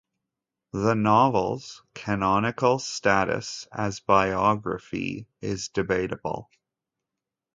The novel's canonical status as biography is debatable.